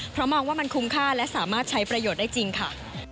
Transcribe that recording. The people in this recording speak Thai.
เพราะมองว่ามันคุ้มค่าและสามารถใช้ประโยชน์ได้จริงค่ะ